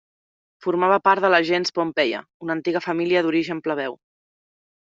Formava part de la gens Pompeia, una antiga família d'origen plebeu.